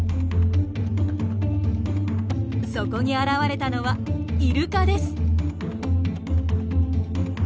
そこに現れたのはイルカです。